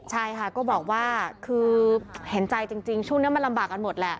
ใช่ค่ะก็บอกว่าคือเห็นใจจริงช่วงนี้มันลำบากกันหมดแหละ